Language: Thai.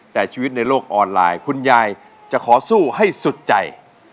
แต่ชีวิตในโลกออนไลน์คุณยายจะขอสู้ให้สุดใจ